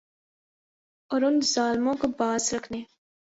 اور ان ظالموں کو باز رکھنے